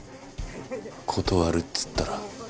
断るっつったら？